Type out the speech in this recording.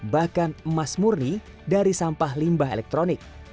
bahkan emas murni dari sampah limbah elektronik